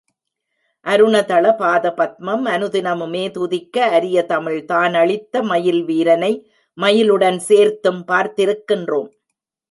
அருணதள பாத பத்மம் அனுதினமுமே துதிக்க அரிய தமிழ் தானளித்த மயில் வீரனை மயிலுடன் சேர்த்தும், பார்த்திருக்கின்றோம்.